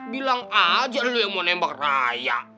bilang aja lo yang mau nembak raya